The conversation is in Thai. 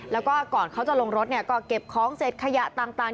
แล้วก็ก่อนเขาจะลงรถก็เก็บของเสร็จขยะต่าง